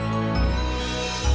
ma mau ke purple